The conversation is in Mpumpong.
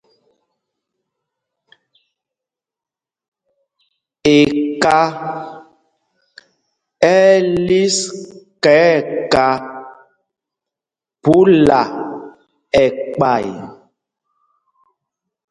Eka ɛ́ ɛ́ lis ká nɛ ká phúla ɛkpay.